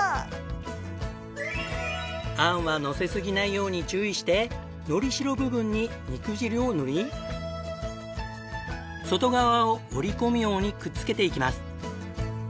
餡はのせすぎないように注意して糊しろ部分に肉汁を塗り外側を織り込むようにくっつけていきます。